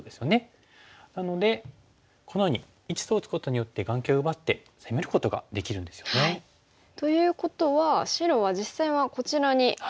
なのでこのように①と打つことによって眼形を奪って攻めることができるんですよね。はい。ということは白は実際はこちらに打ちましたが。